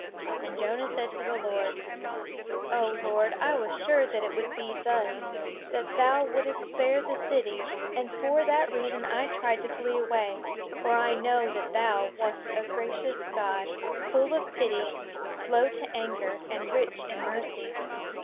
And Jonah said to the Lord: "O Lord, I was sure that it would be thus, that thou wouldest spare the city; and for that reason I tried to flee away; for I know that thou wast a gracious God, full of pity, slow to anger, and rich in mercy.